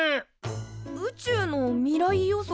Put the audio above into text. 宇宙の未来予測？